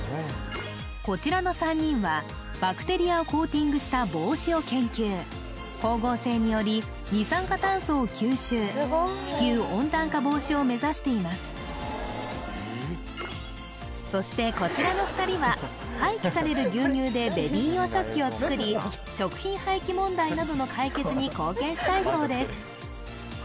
こちらの３人はバクテリアをコーティングした帽子を研究光合成により二酸化炭素を吸収地球温暖化防止を目指していますそしてこちらの２人は廃棄される牛乳でベビー用食器を作り食品廃棄問題などの解決に貢献したいそうです